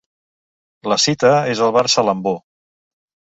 La cita és al Bar Salambó.